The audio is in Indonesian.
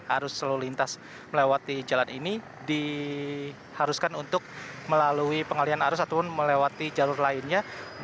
arus selalu lintas melewati jalan ini diharuskan untuk melalui pengalian arus ataupun melewati jalur lainnya